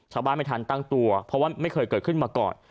ไม่ทันตั้งตัวเพราะว่าไม่เคยเกิดขึ้นมาก่อน